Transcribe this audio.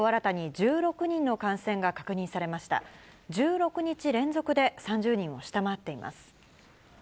１６日連続で３０人を下回っています。